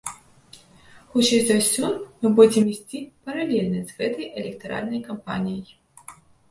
Хутчэй за ўсё, мы будзем ісці паралельна з гэтай электаральнай кампаніяй.